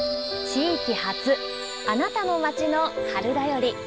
地域発あなたの街の春だより。